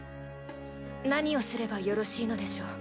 何をすればよろしいのでしょう？